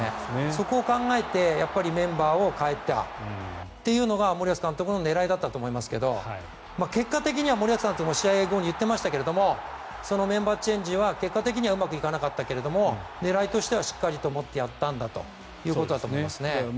そこを考えてメンバーを代えたというのが森保監督の狙いだったと思いますけど結果的には森保さんも試合後に言ってましたがメンバーチェンジは結果的にはうまくいかなかったけれども狙いとしてはしっかりと持ってやったんだということだと思いますね。